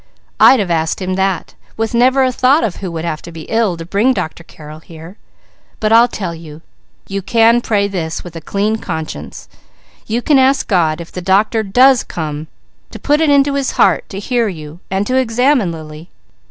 I'd have asked him that, with never a thought of who would have to be ill to bring Dr. Carrel here. But I'll tell you. You can pray this with a clean conscience: you can ask God if the doctor does come, to put it into his heart to hear you, and to examine Lily.